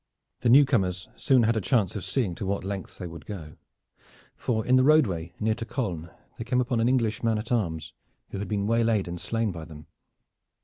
The new comers soon had a chance of seeing to what lengths they would go, for in the roadway near to Caulnes they came upon an English man at arms who had been waylaid and slain by them.